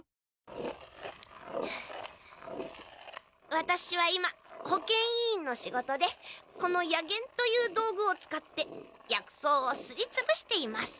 ワタシは今保健委員の仕事でこの薬研という道具を使って薬草をすりつぶしています。